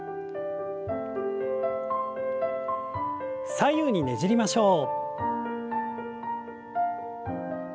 左右にねじりましょう。